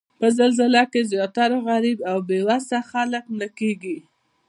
په زلزله کې زیاتره غریب او بې وسه خلک مړه کیږي